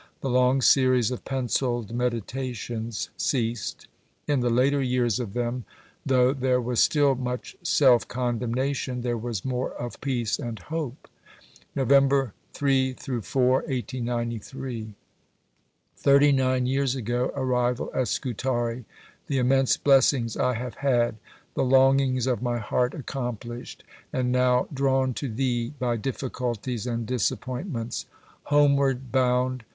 The long series of pencilled meditations ceased. In the later years of them though there was still much self condemnation, there was more of peace and hope. "November 3 4, 1893. Thirty nine years ago arrival at Scutari. The immense blessings I have had the longings of my heart accomplished and now drawn to Thee by difficulties and disappointments." "Homeward bound."